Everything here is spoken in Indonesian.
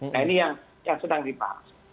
nah ini yang sedang dibahas